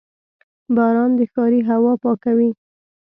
• باران د ښاري هوا پاکوي.